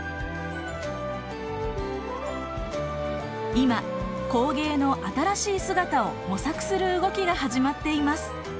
今工芸の新しい姿を模索する動きが始まっています。